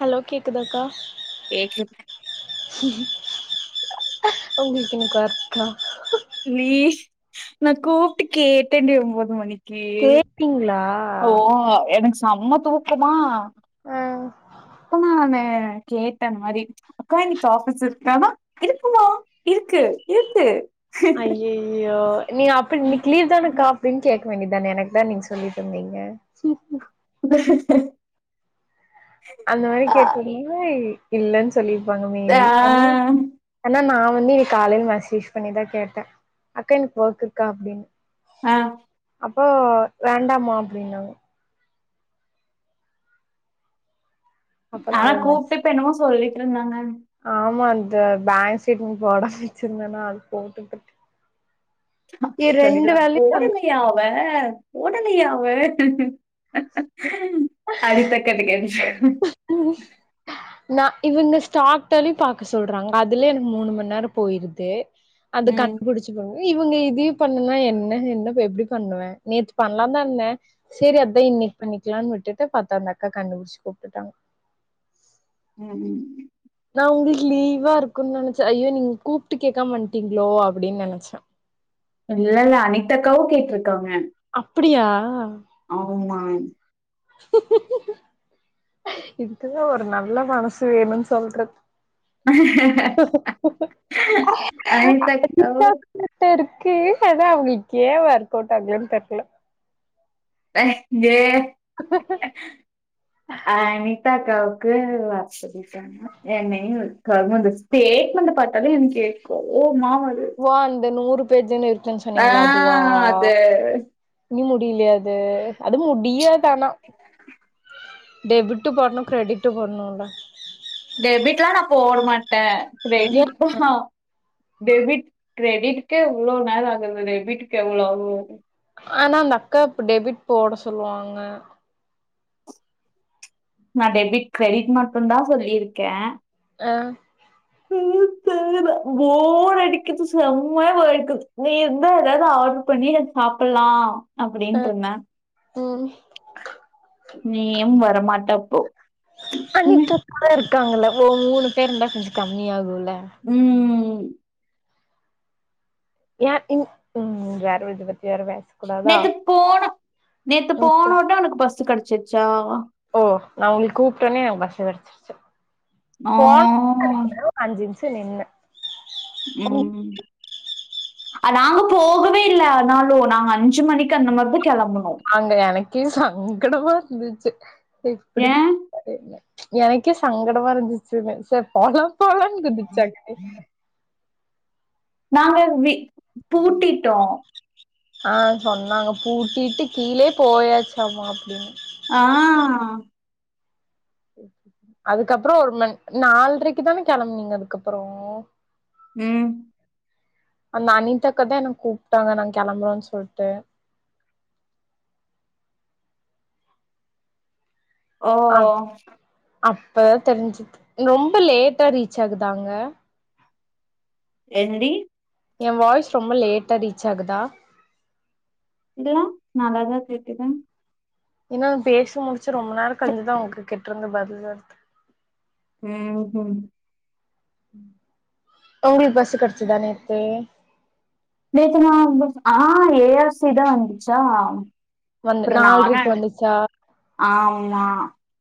Hello கேக்குதாக்கா கேக்குது ஒங்களுக்கு இன்னைக்கி ஒர்தா லீ நா கூப்ட்டு கேட்டேண்டி ஒம்போது மணிக் கி கேப்பீங்களா ஓ எனக்கு செம்ம தூக்கமா அ அப்ப நானு கேட்ட அந்த மாரி அக்கா இன்னைக்கு ஆபீஸ் இருக்கானா இருக்குமா இருக்கு இருக்கு ஐயய்யோ நீ அப்புடி நீ இண்ணிக்கு லீவ்தானக்கா எப்டினு கேக்க வேண்டிதான எனக்குதா நீங்க சொல்லிட்டு இருந்தீங்க [inaudible] அந்த மாரி ஆ கேட்டுருந்தனா இல்லனு சொல்லிருப்பாங்க ஆ மேபி அனா ஆனா நா வந்து இனக்கி காலைல மெசேஜ் பண்ணிதா கேட்டே அக்கா எனக்கு ஒர்க் இருக்கா அப்டின்னு ஆ அப்ப வேண்டாமா அப்டின்னாங்க அப்ப நான் அதா அது மெஸ் கூப்டு இப்போ என்னமோ சொல்லிட்ருந்தாங்க ஆமா அந்த பேங்சைடு போடாம வச்சிருந்தனா அது போட்டுட்ருக் சந்திக்குதா வேலையும் போடலயா அவே [unintelligible] போடலயா அவே அடித்த கட்டு க [unintelligible] ம் நா இவுங்க ஸ்டாக்டேலி பாக்க சொல்றாங்க அதுலயே எனக்கு மூணு மணி நேரோம் போயிருது அது ம் கன் புடிச் இவுங்க இது பண்ணனா என்ன என்ன எப்டி பண்ணுவே நேத்து பண்லாந்தா இருந்தே சேரி அதா இன்னைக்கு பண்ணிக்கலானு விட்டுட்டு பத்தா அந்த அக்கா கண்டுபிடிச்சு கூப்பிட்டுட்டாங்க ம் ம் நா உங்களுக்கு லீவா இருக்குன்னு நினைச்சே ஐயோ நீங்க கூப்ட்டு கேட்கம வன்டீங்களோ அப்டின்னு நினைச்சே இல்ல இல்ல அனித அக்காவு கேட்டிருக்காங்க அப்டியா ஆ ஆமான் இதுக்குதா ஒரு நல்ல மனசு வேணுன்னு சொல்றது அனிதா அக்காவு ட இருக்கே அதா அவங்களுக்கே ஏ ஆர் போட்டாங்கன்னு தெரல அ இங்கே அ அனிதாக்காவுக்கு வசதி என்னயு கர்மோந்த ஸ்டேட் மேன்ட பாத்தாத எனக்கே கோவமா வரு ஓ அந்த நூறு பேஜன்னு இருக்கன்னு சொன்னீங்களா அதுவா அது இன்னு முடியலைய அது அது முடியது ஆனா டெபிட்டு போடணு க்ரெடிட்டு போடணும்ல டெபிட்லா நா போட மாட்டே ஏ கிரெடிட் தா டெபிட் கிரெடிட்டுகே எவ்ளோ நாளாகுது டெபிட்டுக்கு எவ்ளோ ஆகு ஆனா அந்த அக்கா இப்ப டெபிட் போட சொல்லுவாங்க நா டெபிட் கிரெடிட் மட்டு தா சொல்லியிருக்கே ஆ முடில போர் அடிக்குது சமாய போர் அடிக்குது நீ இருந்த எதாது ஆர்டர் பண்ணி சாப்பலா அப்டின்றிந்த ம் நீயு வரமாட்ட அப்போ உம் அனித்தா அக்கா தா இருக்காங்கல்ல ஓ மூணு பேரு இருந்தா கொஞ்சோ கம்மி ஆகும்ல ம் ம் யார் ம் ம் வேறது பத்தி வேற பேச கூடாதா நேத்து போன நேத்து போனோ உடனே உனக்கு பஸ்சு கிடைச்சிருச்சா ஓ நா உங்களுக்கு கூப்பிட்டேனே பஸ் வச்சிருச்சு ஆ, பால் [unintelligible] அஞ்சு நிமிஷோ நின்ன உங்க ம் நாங்க போகவே இல்ல ஆனாலு நாங்க அஞ்சு மணிக்கு அந்த மாரிதா கிளம்பனோ அங்க எனக்கே சங்கடமா இருந்துச்சு எப்டி ஏன் எனக்கே சங்கடமா இருந்துச்சுமே சேரி போலா போலானு குதிச்சாக்கலே நாங்க வி பூட்டிட்டோ ஆ சொன்னாங்க பூட்டிட்டு கீழே போயாச்சமா அப்டின்னு ஆ ஓகே [unintelligible] அதுக்கப்றோ ஒரு மண் நாலரைக்கு தானே கிளம்புனிங்க அதுக்கப்றோ ம் அந்த அனிதாக்கதா என கூப்ட்டாங்க நா கிளம்புறோன்னு சொல்ட்டு ஓ அப் அப்ப தெரிஞ்சுக் ரொம்ப லேட்டா ரீச் ஆகுதாங்க என்டி எ வாய்ஸ் ரொம்ப லேட்டா ரீச் ஆகுதா இல்லயே நாலதா தைக்கற ஏனா பேசி முடிச்சு ரொம்ப நேரோ கழிச்சுதா அவுங்க கிட்ட இருந்து பதில் வருது ம் ம் உங்களுக்கு பஸ்ஸூ கிடச்சுதா நேத்து நேத்து நா [inaudible] ஆ ஏஆர்சி தா வந்துச்சா வந்து ப்புற நான நால்ரைக்கு வந்துச்சா ஆமா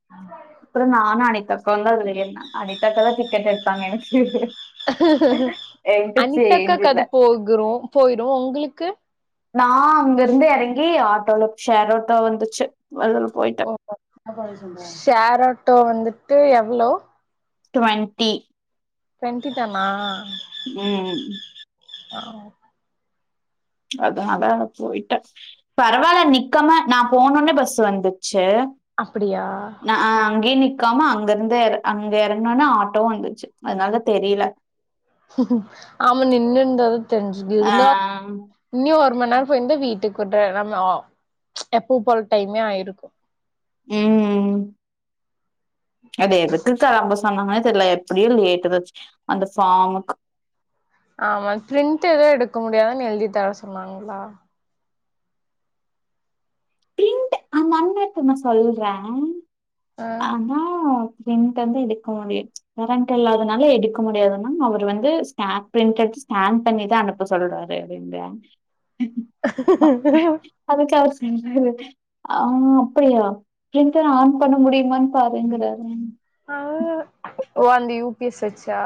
[inaudible] ப்புற நானு அனிதா அக்காவு தா அதுல ஏற்ன அனிதா அக்கா தா டிக்கெட் எடுத்தாங்க எனக்கு என்ட்ட அனிதாக்கா சேஞ்ச் இல்ல. அது போகுரும் போயிரும் உங்களுக்கு நான் அங்க இருந்து எறங்கி ஆட்டோல ஷேர் ஆட்டோ வந்துச்சு அதுல போயிட்டேன் ஷோர் ஆட்டோ வந்துட்டு எவ்ளோ ட்வன்ட்டி ட்வென்ட்டி தனா ம் [unintelligible] அதனால போயிட்டேன் பரவாயில்ல நிக்காம நான் போன ஒட்னே பஸ் வந்துச்சு அப்டியா ஹ அங்கேயே நிக்காம அங்க இருந்து அங்க எறங்குனோன்ன ஆட்டோ வந்துச்சு அதனால தெரியல ஆமா நின்னுனு இருந்ததான் தெரிஞ்சுது இருந்தா ஆ. இன்னியு ஒரு மண் நேர போயிருந்தா வீட்டுக் உட்ற நம்ம ஆ எப்பு போல டைமே ஆயிருக்கு ம் அது எதுக்குகா அபசகுன மாரி தெரியல எப்டியும் லேட்டு தான் ஆச்சு ஆமா பிரிண்ட் எதுவும் எடுக்க முடியதுன்னு எழுதிதர சொன்னாங்களா பிரிண்ட் அந்த அண்ணா என்ன தெரியுமா சொல்றான் ஆ ஆ பிரண்ட் வந்து எடுக்க முடியும் கரண்ட் இல்லாதனால எடுக்க முடியாதுன்னா அவர் வந்து ஸ் பிரிண்ட் எடுத்து ஸ்கேன் பண்ணிதான் அனுப்ப எப்ப சொல்லறாரு அப்டின்றியா [unintelligible] அதுக்காக என்ன செய்துறது ஆ அப்டியா பிரிண்ட் ஆன் பண்ண முடிய வந்து பாருங்கறாரு ஆ அந்த யூபிஎஸ் வெச்சா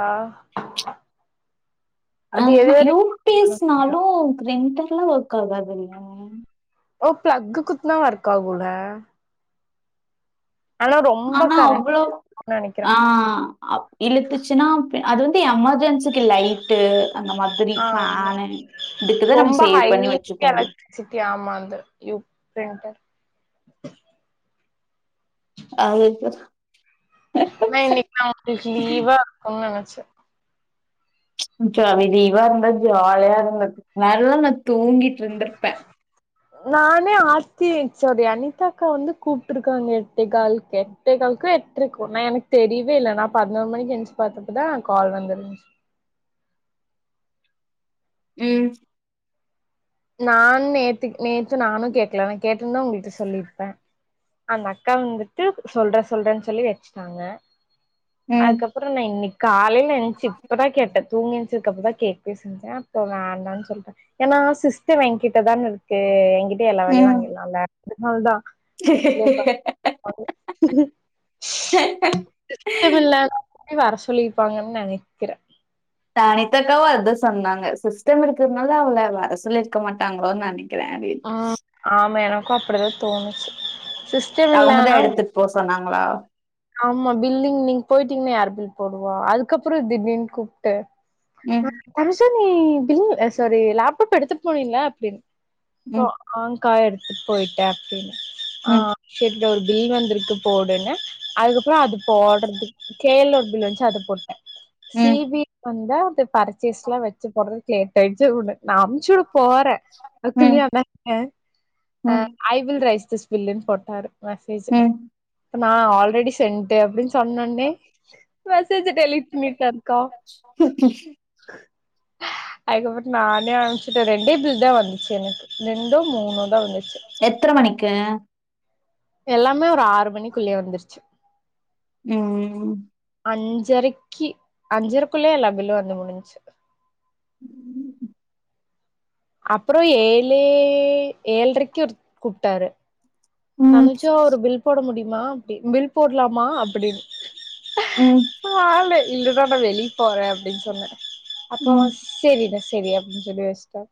ஆ ஹ யூ பி‌ எஸ் னாலும் பிரிண்டர்ல ஒர்க் ஆகாதுலே ஓ பெளக்கு குத்துனா ஒர்க் ஆகுலே ரொம்ப ஆனா கரண்ட் அவ்ளோ இருக்கும்னு நெனைக்கிறே ஆ இழுத்துச்சுன்னா அது வந்து எமர்ஜென்சிக்கு லைட்டு அந்த மாரி துரி ஆ ஃபேனு இதுக்குதா நம்ம சேவ் பண்ணி வச்சுக்க முடியு சித்தி ஆமான்து யூ பிரிண்டர் அ இப்பதா நா இன்னைக்கு நான் ஆபீஸ் லீவா இருக்கும்னு நினேச்சேன் ஜாலி லீவா இருந்தா ஜாலியா இருந்தது நல்லா நான் தூங்கிட்டு இருந்திருப்பேன் [inaudible] நானே ஆர்த்தி சோரி அனிதா அக்கா வந்து கூப்ட்ருக்காங்க எட்டே கால்க்கே எட்டேகாலுக்கோ எட்டரைகோ நான் எனக்கு தெரியவே இல்ல நான் பதினோரு மணிக்கு எந்திருச்சு பாத்தப்ப தான் கால் வந்திருந்துச்சி ம் நானும் நேத்து நேத்து நானும் கேடக்கல நான் கேட்டுருந்த உங்கள்கிட்ட சொல்லியிருப்பேன் அந்த அக்கா வந்துட்டு சொல்றேன் சொல்றேன்னு சொல்லி வெச்சுட்டாங்க ம், அதுக்கப்பறம் நான் இன்னைக்கு காலையில எஞ்ச்சி இப்பதான் கேட்டேன் தூங்கி ஏஞ்ச்சதுக்கப்றதா கேக்வே செஞ்ச அப்ற வேண்டான் சொல்ட்ட ஏன்னா சிஸ் சிஸ்டம் எங்கிட்டதானே இருக்கு எங்கிட்ட எல்லா வேலையும் ம். வாங்கிடலாம் இல்ல அதனால தான் [inaudible] வீட்குள்ள வர சொல்லிர்பாங்கன் நனைக்கிற தனித்தக்காவு அத சொன்னாங்க சிஸ்டம் இருக்கிறதுனால அவ்ள வர சொல்லி இருக்க மாட்டாங்ளோ நனைக் க்ரவேஜ் ம் ஆமா எனக்கு அப்டிதா தோணுச்சு சிஸ் அவுங்கதா எடுத்துட் போ சொன்னாங்களா ஆமா பில்லிங் நீங் போயிட்டீங்னா யார் பில் போடுவா அதுக்கப்றோ திடீனு கூப்ட்டு ம் தமிசா நீ பில்லு அ சாரி லேப்டாப் எடுத்துட் போனீல அப்டின்னு ம், ஆ கா எடுத்துட் போயிட்ட அப்டின்னு ஆ ம். இங்க ஒரு பில் வந்திருக்கு போடுன்னு அதுக்கப்றோ அது போட்றது கேள் ஒரு பில் வச்சு அது போட்ட ம். சிபி வந்தா அது பர்ச்சேஸ்லா வச்சு போறதுக் லேட்டாயிச்சு உனக் நா அமுச்சுட போற ம் [unintelligible] அ ம் ஐ வில் ரை த பில்லன்னு போட்டாரு மெசேஜ் ம் இப்ப நா ஆல்ரெடி சென்ட் அப்டி சொன்னோன்னே மெசேஜ்ச டெலிட்ட மீட்டாக்கா அதுக்கப்பறமேட் நானே ஆரம்பிச்சுட்ட ரெண்டே பில் தா வந்துச்சு எனக்கு ரெண்டோ மூணோ தா வந்துச்சு எத்தன மணிக்கு எல்லாமே ஒரு ஆறு மணிக்குள்ளயே வந்துருச்சு ம் அஞ்சரைக்கி அஞ்சரைக்குள்ளே எல்லா பில்லும் வந்து முடிஞச்சு உம் அப்றோ ஏழே ஏழ்ரைக்கு ஒரு கூப்ட்டாரு ம் தன்சோ ஒரு பில் போட முடிமா அப்டி பில் போட்லாமா அப்டின்னு ம் ஓ ஆள் இல்லதா நா வெளிய போறேன் அப்டினு சொன்னேன் அப்போ ம் சேரிதா சேரி அப்டின் சொல்லிஷ்டம்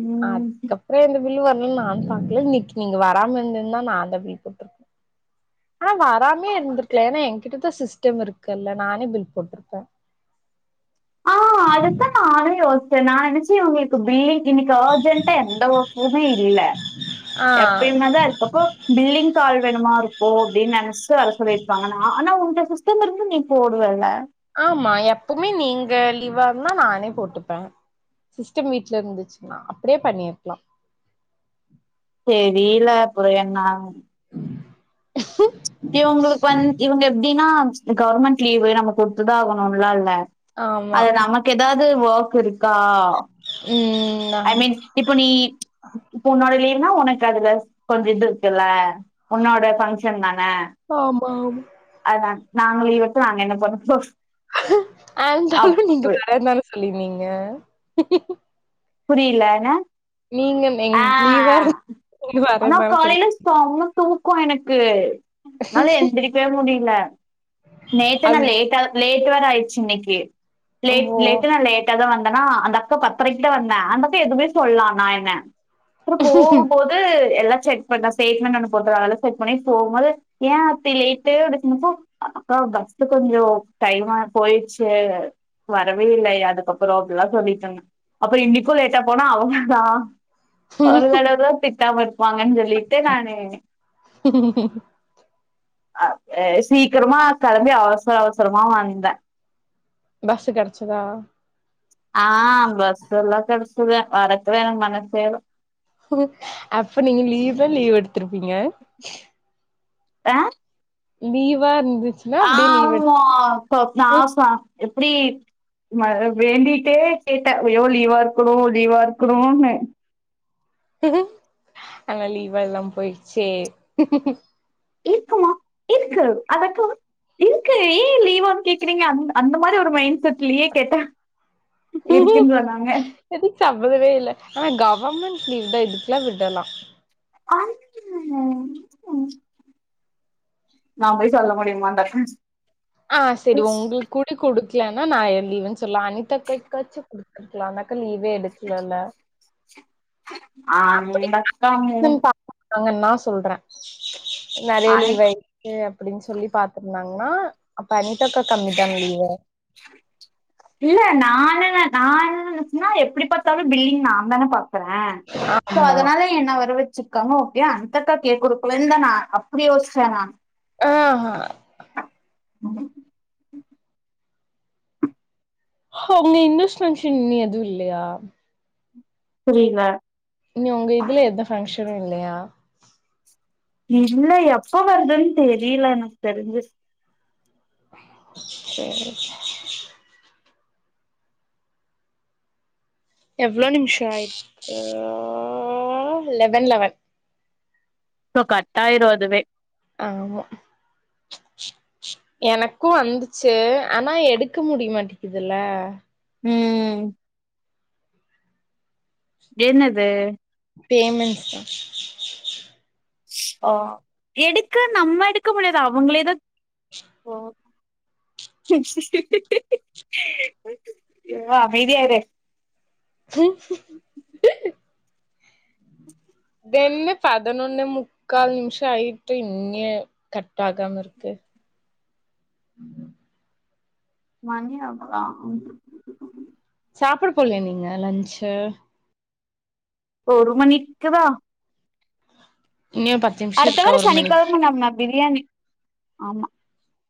ம் அதுக்கப்றோ எந்த பில் வர்லான் நானு பாக்ல இன்னைக் நீங்க வராம இருந்துந்தா நா அந்த பில் போட்ருப்ப ஆ வராமே இருந்திருக்லா ஏன்னா என்கிட்டதா சிஸ்டம் இருக்குல்ல நானே பில் போட்ட த்த ஆ அதுதா நானு யோஸ்ச்ச நா நெனச்ச உங்களுக்கு பில்லிங் இன்னைக் ஆர்ஜென்டா எந்த ஓர்க்குமே இல்ல ஆ எப்டின்னா தா அதுக்கப்போ பில்லிஙக் ஆள் வேனுமா இருக்கு அப்டின் நெனச்சு வர சொல்லி இருப்பாங்கனா ஆனா உங்க சிஸ் கஸ்டமர் இருந்தா நீ போடுவல ஆமா எப்பவுமே நீங்க லீவ் இருந்தா நானே போட்டுப்ப சிஸ்டம் வீட்ல இருந்துச்சுன்னா அப்டியே பண்ணியிருக்லா தெரில அப்ற என்னானு இவுங்ளுக் வந்து இவுங்க எப்டின்னா கவர்மெண்ட் லீவு நம்ம குடுத்துதா ஆகணும்லா இல்ல ஆமா அது நமக்கு எதாது ஓர்க் இருக்கா ம் ம் ம் ஐ மீன் ஆமா இப்ப நீ இப்போ ஒன்னோட லீவ்னா ஏனக்கு அதுல கொஞ்ச இது இருக்குல்ல உன்னோட ஃபங்க்ஷன் தான ஆமா ஆமா அதா நாங்க லீவ் எடுத்து நாங்க என்ன பண்ண போ ஆந்தாலும் நீங்க வரந்தான சொல்லிருந்தீங்க புரில என நீங்கம் ஆ ஆனா சொல்லி காலைல செம்ம தூக்கோ எனக்கு அதனால எந்திரிக்கவே முடில நேத்தே நா அப் லேட்டா லேட் வேர ஆயிர்ச்சு இன்னிக்கு லேட் ஓ லேட் த்து நா லேட்டா தா வந்தேன்னா அந்த அக்க பத்தரைக்கு தா வந்தா அந்த அக்கா எதுவுமே சொல்லா நா என்ன ப்றோ போகும்போது எல்லா செக் பண்ணா ஸ்டேட்மெண்ட் ஒன்னு போட்றாங்கல்ல செக் பண்ணி போகும்போது ஏ அப்டி லேட்டு [unintelligible] அக்கா பஸ்ஸு கொஞ்சோ டைமா போயிடுச்சு வரவே இல்லை அதுக்கப்புறோ அப்படிலா சொல்லிட்ருந்த அப்பறோ இன்னைக்கு லேட்டா போனா அவங்கதா ஒரு தடவ திட்டாம இருப்பாங்கன் சொல் லிட்ட நானு ஆ எ சீக் க்கிரமா கெளம்பி அவசர அவசரமா வந்தே பஸ்ஸு கெடைச்சுதா ஆ பஸ் எல்லா கெடைச்சுதா வரத்துக்கு எனக்கு மனசேல்ல அப்ப நீங்க லீவ்ல லீவ் எடுத்திருப்பீங்க [unintelligible] லீவா இருந்துச்சுன்னா அப்படியே லீவ் எடுத் ஆமா இப்ப பாஸா எப்டி ம வேண்டிட்டே கேட்டே ஐயோ லீவா இருக்கணு லீவா இருக்கணுன்னு ஆனா லீவா எல்லா பொயிட்ச்சே இதுக்கு அதக்கு இருக்கு ஏன் லீவான்னு கேக்குறீங்க அந்த அந்த மாரி ஒரு மைண்ட் செட்லயே கேட்டா இருக்குன் சொன்னாங்க எடுச்சவ்வதவே இல்ல ஆனா கவர்மெண்ட் லீவ் தா இதுக்கெல்லா விடலா ஆ உ நா போய் சொல்ல முடியுமா தட் மீன்ஸ் ஆ செரி உங்களுக்கு கூட குடுக்கலன்னா நா என் லீவுன்னு சொல்லா அனிதாக்காக்காச்சி குத் கடசில அந்த அக்கா லீவே எடுக்கலல்ல அ அந்தக்கா மூ வாங்கன் தா சொல்றே வரை லீவை கே அப்டின்னு சொல்லி பாத்துருந்தாங்கன்னா அப்ப அனிதாக்கா கம்மிதான் லீவு இல்ல நானுனு நானுன் இந்துச்சுனா எப்டி பாத்தாலு பில்லிங் நா தானே பாக்குறே சோ ஆமா அதனாலே என்ன ஒரவ் வச்சிர்க்காங்க ஓகே அந்தக்கா கே குடுக்கலன் தா நா அப்டியே யோசுச்சே நா ஆஹ ஹ அங்க இந்துஸ் பங்க்ஷன்னு எதுவு இல்லையா புரில இல்லியா ஒங்க இதுல எந்த ஃபங்க்ஷனு இல்லையா இல்ல எப்ப வருதுன் தெரில எனக்கு தெரிஞ்சி சேரி எவ்ளோ நிம்ஷோ ஆயட்டு லெவன் லெவன் சோ கட் ஆயிரு அதுவே ஆமா எனக்கு வந்துச்சு ஆனா எடுக்க முடிய மாட்டிக்குதுல ம் என்னது பேமன்ஸ்தா ஒ எடுக்க நம்ம எடுக்க முடியாது அவுங்களேதா ஒ ஐயோ அமைதியா இரு [inaudible] இதுஎன்ன பதனொன்னே முக்கால் நிமிஷோ ஆயிட்டு இன்யு கட்ட ஆகாம இருக்கு மணி ஆகுதா சாப்புட போலயா நீங்க லன்ச்சு ஒரு மணிக்கவா இன்யு பத் அடுத்த வர சனிக்கெழ நம்ம பிரியாணி ஆமா